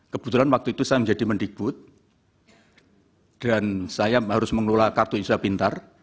kebetulan waktu itu saya menjadi mendikbud dan saya harus mengelola kartu indonesia pintar